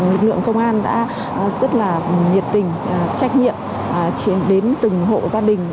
lực lượng công an đã rất là nhiệt tình trách nhiệm chuyển đến từng hộ gia đình